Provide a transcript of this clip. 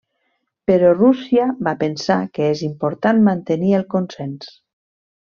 Però Rússia va pensar que és important mantenir el consens.